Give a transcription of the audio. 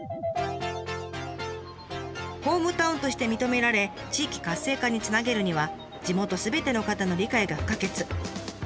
ホームタウンとして認められ地域活性化につなげるには地元すべての方の理解が不可欠。